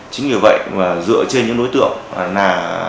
chính như vậy dựa trên những đối tượng là